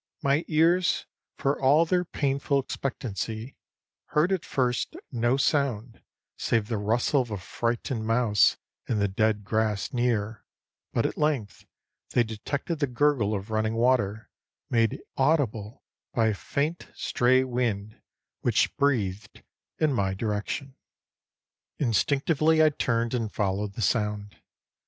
My ears, for all their painful expectancy, heard at first no sound save the rustle of a frightened mouse in the dead grass near; but at length they detected the gurgle of running water, made audible by a faint stray wind which breathed in my direction. Instinctively I turned and followed the sound.